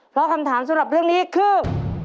เพราะคำถามสำหรับเรื่องนี้คือ